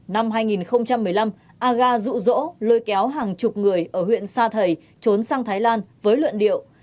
năm hai nghìn một mươi năm aga rụ rỗ lôi kéo hàng chục người ở huyện sa thầy trốn sang thái lan với luận điệu